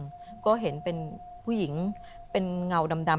แล้วก็เห็นเป็นผู้หญิงเป็นเงาดำ